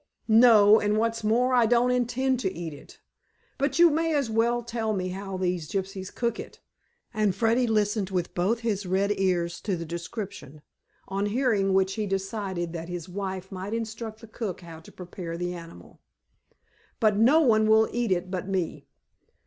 "No. And what's more, I don't intend to eat it. But you may as well tell me how these gypsies cook it," and Freddy listened with both his red ears to the description, on hearing which he decided that his wife might instruct the cook how to prepare the animal. "But no one will eat it but me."